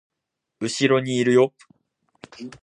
後ろにいるよ